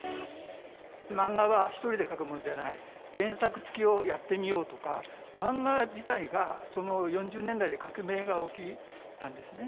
漫画は一人で描くものじゃない、原作付をやってみようとか、漫画自体が４０年代で革命が起きたんですね。